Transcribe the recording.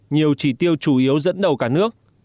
nhiều trí tiêu chủ yếu dẫn đầu cả nước